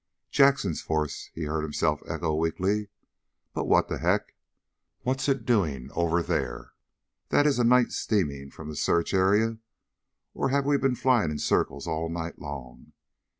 "Jackson's force?" he heard himself echo weakly. "But what the heck? What's it doing over there? That's a night's steaming from the search area! Or or have we been flying in circles all night long?